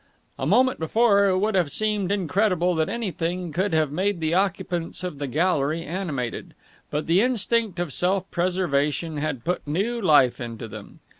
A moment before it would have seemed incredible that anything could have made the occupants of the gallery animated, but the instinct of self preservation had put new life into them.